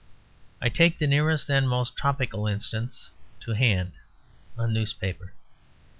I take the nearest and most topical instance to hand a newspaper.